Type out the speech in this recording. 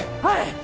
はい！